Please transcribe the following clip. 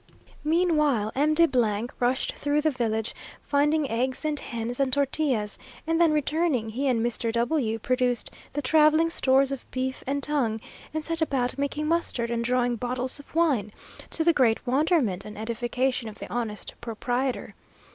Meanwhile, M. de B rushed through the village, finding eggs and hens and tortillas, and then returning, he and Mr. W produced the travelling stores of beef and tongue, and set about making mustard and drawing bottles of wine, to the great wonderment and edification of the honest proprietor.